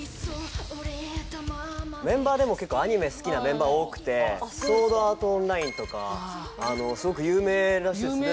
メンバーでも結構アニメ好きなメンバー多くて「ソードアート・オンライン」とかすごく有名らしいですね。